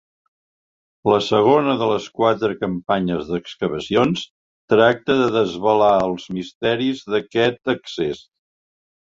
La segona de les quatre campanyes d'excavacions tracta de desvelar els misteris d'aquest accés.